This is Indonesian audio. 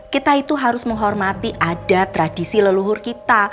kita itu harus menghormati ada tradisi leluhur kita